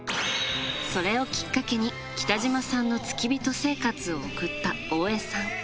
それをきっかけに、北島さんの付き人生活を送った大江さん。